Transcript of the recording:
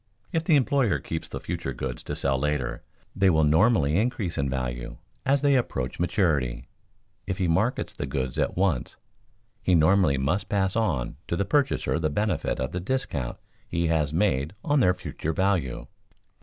If the employer keeps the future goods to sell later, they will normally increase in value as they approach maturity; if he markets the goods at once, he normally must pass on to the purchaser the benefit of the discount he has made on their future value.